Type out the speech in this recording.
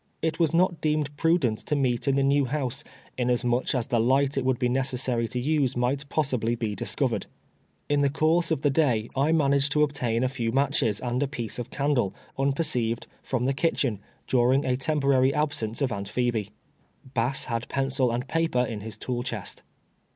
It was not deemed prudent to meet in the new liouse, inasmuch as tlie light it wouhl be necessary to nse miglit possibly be disc<:)vered. In the ccmrse of the day I managed to obtain a few matches and a piece of candle, unperceived, from the kitchen, during a temporary absence of Aunt Phebe. Bass liad pen cil and [)aper in his tool chest.